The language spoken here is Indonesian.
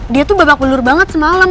dia tuh babak belur banget semalam